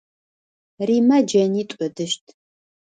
Римэ джэнитӏу ыдыщт.